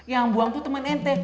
yang buang tuh temen ente